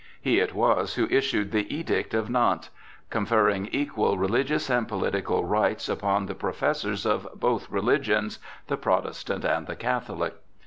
He it was who issued the Edict of Nantes, conferring equal religious and political rights upon the professors of both religions, the Protestant and the Catholic.